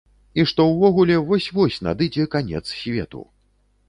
І што ўвогуле вось-вось надыдзе канец свету.